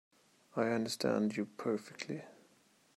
I understand you perfectly.